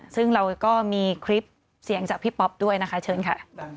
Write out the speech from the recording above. ซึ่งเราก็มีคลิปเสียงจากพี่ป๊อปด้วยนะคะเชิญค่ะ